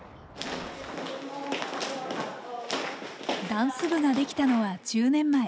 ダンス部ができたのは１０年前。